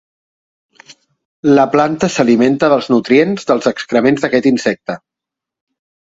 La planta s'alimenta dels nutrients dels excrements d'aquest insecte.